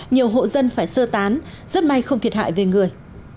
nhiều hộ dân phải sơ tán rất may không thiệt hại về người